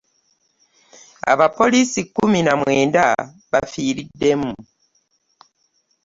Abapolisi kumi na mwenda bafiiriddemu.